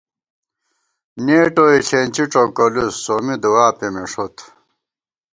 نېٹوئےݪېنچی ڄوکولُوس ، سومّی دعا پېمېݭوت